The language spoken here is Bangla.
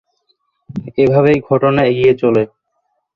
এভাবেই ঘটনা এগিয়ে চলে।